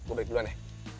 gue balik duluan ya